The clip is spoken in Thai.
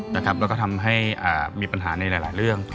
แล้วก็ทำให้มีปัญหาในหลายเรื่อง